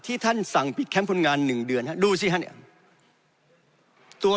ที่ท่านสั่งปิดแค็มคนงานหนึ่งเดือนฮะดูสิฮะเนี้ยตัว